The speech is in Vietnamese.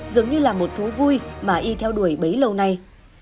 dường như là một thú vui mà y theo đuổi bấy lâu nay